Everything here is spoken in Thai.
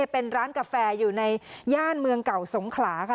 เป็นร้านกาแฟอยู่ในย่านเมืองเก่าสงขลาค่ะ